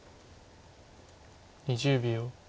２０秒。